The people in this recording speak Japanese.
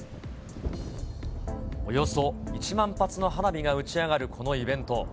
およそ１万発の花火が打ち上がるこのイベント。